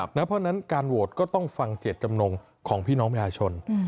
เพราะฉะนั้นการโหวตก็ต้องฟังเจตจำนงของพี่น้องประชาชน